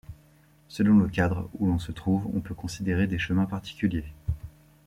Selon le cadre où l'on se trouve, on peut considérer des chemins particuliers.